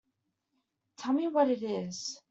Tell me what it is.